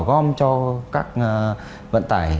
gom cho các vận tải